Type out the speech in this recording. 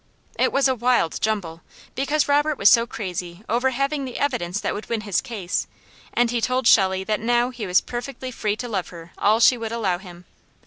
It was a wild jumble, because Robert was so crazy over having the evidence that would win his case; and he told Shelley that now he was perfectly free to love her all she would allow him.